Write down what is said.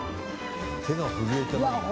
手が震えてないもん。